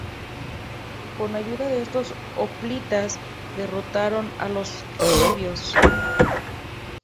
Con ayuda de estos hoplitas, derrotaron a los libios.